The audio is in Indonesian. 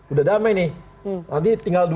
udah damai nih nanti tinggal